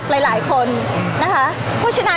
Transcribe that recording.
พี่ตอบได้แค่นี้จริงค่ะ